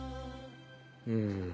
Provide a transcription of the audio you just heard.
うん。